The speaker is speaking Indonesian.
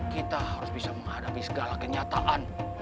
kita harus bisa menghadapi segala kenyataan